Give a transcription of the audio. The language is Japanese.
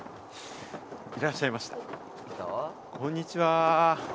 こんにちは。